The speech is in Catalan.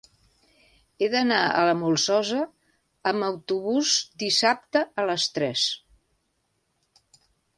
He d'anar a la Molsosa amb autobús dissabte a les tres.